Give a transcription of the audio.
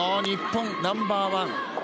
日本ナンバーワン。